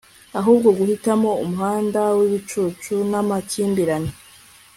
ahubwo guhitamo umuhanda wibicucu namakimbirane